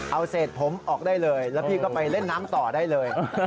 เอาเศษผมออกได้เลยแล้วพี่ก็ไปเล่นน้ำต่อได้เลย